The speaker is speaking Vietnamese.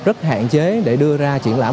rất hạn chế để đưa ra triển lãm